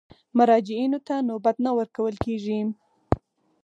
مراجعینو ته نوبت نه ورکول کېږي.